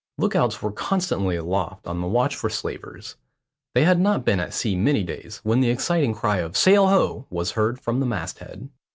Lookouts were constantly aloft on the watch for slavers. They had not been at sea many days, when the exciting cry of "Sail ho!" was heard from the mast head.